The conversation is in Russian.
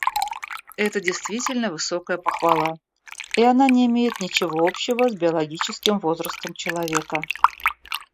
Это действительно высокая похвала, и она не имеет ничего общего с биологическим возрастом человека.